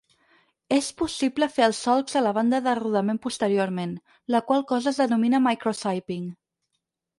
És possible fer els solcs a la banda de rodament posteriorment, la qual cosa es denomina "microsiping".